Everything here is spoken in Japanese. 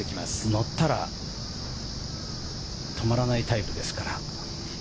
乗ったら止まらないタイプですから。